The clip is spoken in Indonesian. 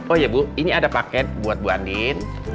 oh ya bu ini ada paket buat bu andin